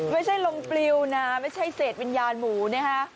ไม่ใช่ลงปลิวนะไม่ใช่เศษวิญญาณหมูนะฮะ